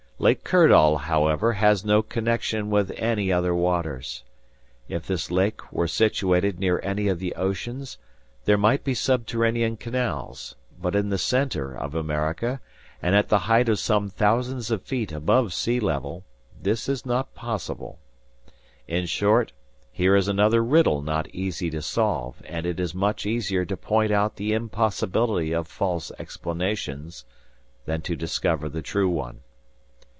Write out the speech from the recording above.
Lake Kirdall, however, has no connection with any other waters. If this lake were situated near any of the oceans, there might be subterranean canals; but in the center of America, and at the height of some thousands of feet above sea level, this is not possible. In short, here is another riddle not easy to solve, and it is much easier to point out the impossibility of false explanations, than to discover the true one.